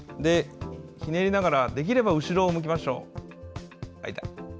ひねりながらできれば後ろを向きましょう。